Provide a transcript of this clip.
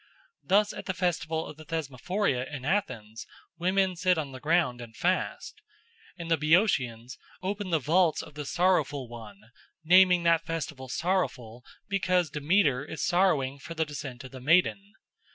Thus at the festival of the Thesmophoria in Athens women sit on the ground and fast. And the Boeotians open the vaults of the Sorrowful One, naming that festival sorrowful because Demeter is sorrowing for the descent of the Maiden.